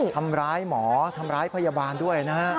ทำร้ายหมอทำร้ายพยาบาลด้วยนะฮะ